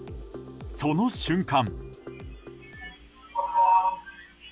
その瞬間。